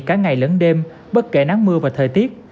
cả ngày lẫn đêm bất kể nắng mưa và thời tiết